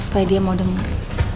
supaya dia mau denger